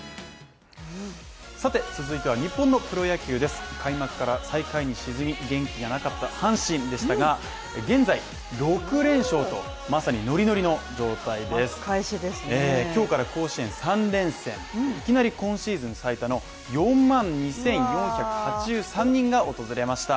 さて続いては日本のプロ野球です開幕から最下位に沈み、元気がなかった阪神でしたが現在６連勝とまさにノリノリの状態です今日から甲子園３連戦いきなり今シーズン最多の４万２４８３人が訪れました。